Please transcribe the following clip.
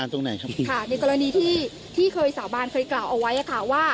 ในกรณีที่ที่เคยสาบานเคยกล่าวเอาไว้ค่ะว่า